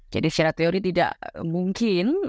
jadi secara teori tidak mungkin